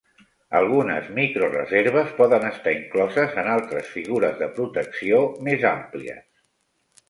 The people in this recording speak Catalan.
Algunes microreserves poden estar incloses en altres figures de protecció més àmplies.